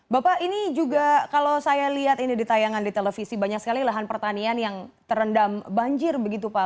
bapak ini juga kalau saya lihat ini di tayangan di televisi banyak sekali lahan pertanian yang terendam banjir begitu pak